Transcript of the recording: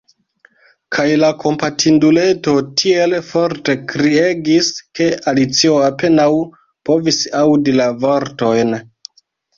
Kaj la kompatinduleto tiel forte kriegis ke Alicio apenaŭ povis aŭdi la vortojn.